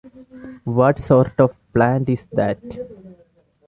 What sort of plant is that?